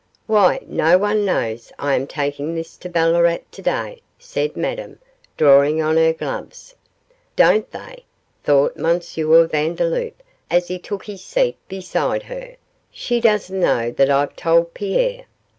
'Why, no one knows I am taking this to Ballarat to day,' said Madame, drawing on her gloves. 'Don't they?' thought M. Vandeloup, as he took his seat beside her. 'She doesn't know that I've told Pierre.